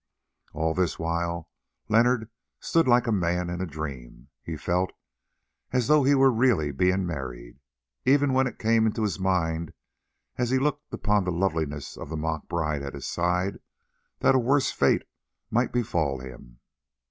All this while Leonard stood like a man in a dream. He felt as though he were really being married; it even came into his mind, as he looked upon the loveliness of the mock bride at his side, that a worse fate might befall him.